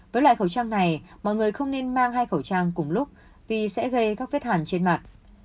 với loại khẩu trang này mọi người không nên mang hai khẩu trang cùng lúc vì sẽ gây các vết hàn trên mặt